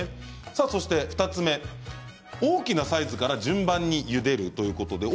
そして２つ目大きなサイズから順番にゆでるということです。